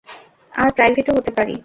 আর প্রাইভেটও হতে পারি।